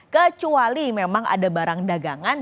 kecuali memang ada barang dagangan